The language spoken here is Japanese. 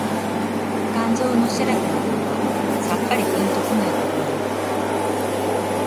肝腎の洒落の方はさっぱりぴんと来ないことになる